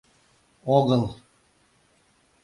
— Огыл...